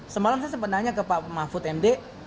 semalam saya sempat nanya ke pak mahfud md